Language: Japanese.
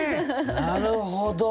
なるほど。